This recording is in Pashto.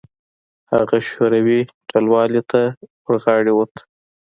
هغه شوروي ټلوالې ته ورغاړه وت.